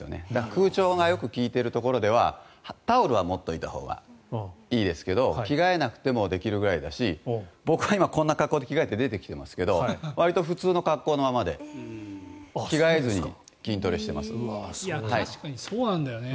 空調がよく利いてるところではタオルは持っておいたほうがいいですけど着替えなくてもできるぐらいだし僕は今、こんな格好で着替えて出てきてますけどわりと普通の格好で確かにそうなんだよね。